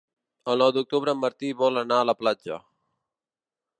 El nou d'octubre en Martí vol anar a la platja.